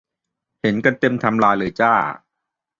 เห็นกันเต็มไทม์ไลน์เลยจ้า